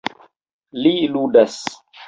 Li ludas.